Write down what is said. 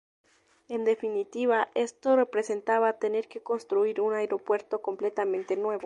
En definitiva, esto representaba tener que construir un aeropuerto completamente nuevo.